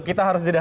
kita harus sedih